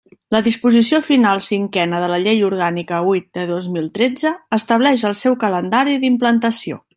La disposició final cinquena de la Llei Orgànica huit de dos mil tretze, estableix el seu calendari d'implantació.